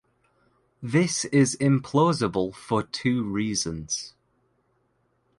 This is implausible for two reasons.